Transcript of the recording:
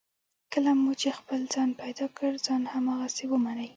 کله مو هم چې خپل ځان پیدا کړ، ځان هماغسې ومنئ.